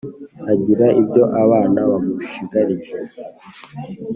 Agira ibyo abana bamushigarije